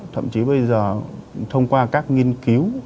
thậm chí bây giờ thông qua các nghiên cứu